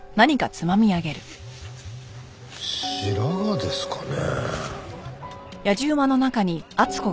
白髪ですかね？